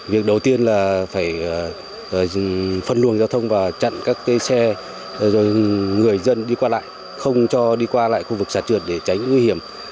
việc đầu tiên là phải phân luồng giao thông và chặn các xe người dân đi qua lại không cho đi qua lại khu vực sạt trượt để tránh nguy hiểm